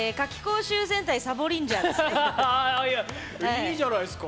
いいじゃないですか！